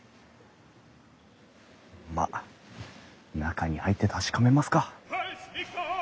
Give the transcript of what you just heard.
まっ中に入って確かめますか。